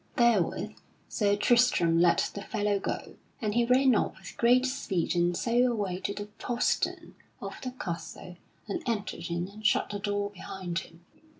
Therewith Sir Tristram let the fellow go, and he ran off with great speed and so away to the postern of the castle and entered in and shut the door behind him.